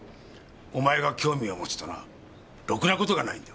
お前が興味を持つとなロクな事がないんだ。